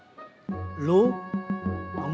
udah ada tiga orang yang daftar